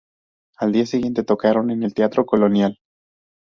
Al día siguiente tocaron en el Teatro Colonial.